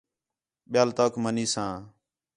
ٻِیال توک منی ساں